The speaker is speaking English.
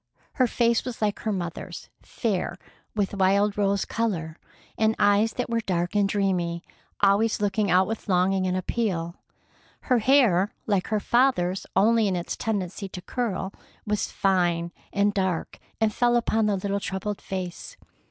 Her face was like her mother's, fair, with wild rose color, and eyes that were dark and dreamy, always looking out with longing and appeal. Her hair, like her father's only in its tendency to curl, was fine and dark, and fell about the little troubled face.